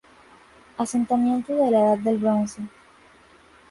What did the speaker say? Asentamiento de la Edad del Bronce.